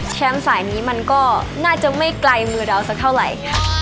สายนี้มันก็น่าจะไม่ไกลมือเราสักเท่าไหร่ค่ะ